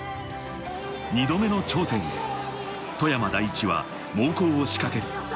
２度目の頂点へ富山第一は猛攻を仕掛ける。